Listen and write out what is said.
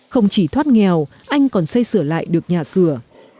không chỉ thoát nghèo anh còn xây sửa lại được nhà cửa